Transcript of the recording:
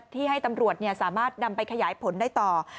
ที่ให้ตำรวจสามารถนำไปขยายผลได้ต่อ